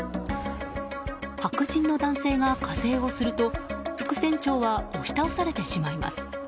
白人の男性が加勢をすると副船長は押し倒されてしまいます。